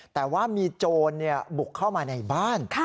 แต่ว่ามีโจรบุกเข้ามาในบ้าน